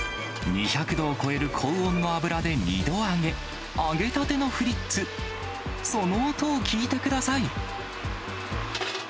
２００度を超える高温の油で二度揚げ、揚げたてのフリッツ、その音を聞いてください。